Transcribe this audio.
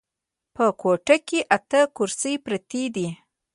په کوټه کې اته کرسۍ پرتې دي.